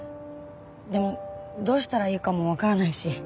でもどうしたらいいかもわからないし。